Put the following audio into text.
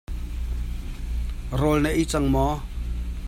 Rawl na ei cang maw?